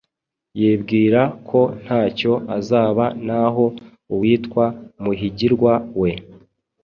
yibwira ko nta cyo azaba naho uwitwa Muhigirwa we